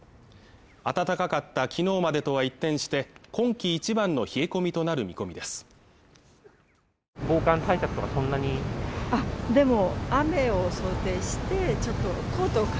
暖かかった昨日までとは一転して今季一番の冷え込みとなる見込みです